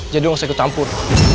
jadi lo gak usah ikut campur